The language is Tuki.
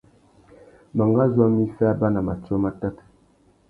Mangazu a mú iffê abà na matiō matát.